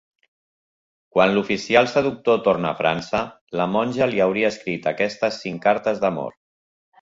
Quan l'oficial seductor tornà a França, la monja li hauria escrit aquestes cinc cartes d'amor.